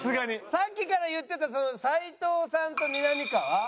さっきから言ってた斉藤さんとみなみかわ？